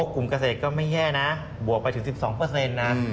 กลุ่มเกษตรก็ไม่แย่นะบวกไปถึง๑๒เปอร์เซ็นต์นะ